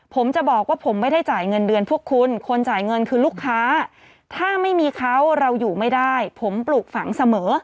ผมจะบอกว่าผมไม่ได้จ่ายเงินเดือนพวกคุณคนจ่ายเงินคือลูกค้าถ้าไม่มีเขาเราอยู่ไม่ได้ผมปลูกฝังเสมอ